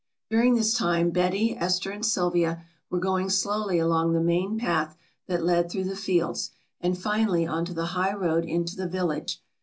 During this time Betty, Esther and Sylvia were going slowly along the main path that led through the fields and finally on to the high road into the village.